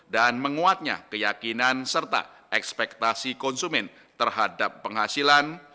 dan menguatnya keyakinan serta ekspektasi konsumen terhadap penghasilan